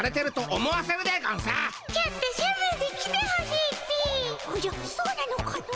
おじゃそうなのかの。